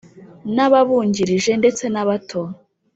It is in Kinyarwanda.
n’ababungirije ndetse na bato